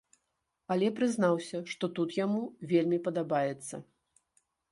Але прызнаўся, што тут яму вельмі падабаецца.